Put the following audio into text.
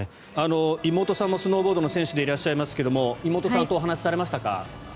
妹さんもスノーボードの選手でいらっしゃいますが妹さんとお話しされましたか？